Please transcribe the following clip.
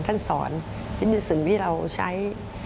ท่านสอนวิทยาศาสตร์วิทยาศาสตร์ที่เราใช้